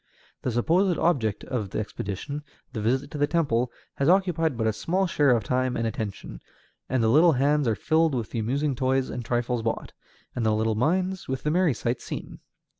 The supposed object of the expedition, the visit to the temple, has occupied but a small share of time and attention, and the little hands are filled with the amusing toys and trifles bought, and the little minds with the merry sights seen.